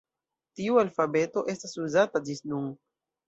Tiu alfabeto estas uzata ĝis nun.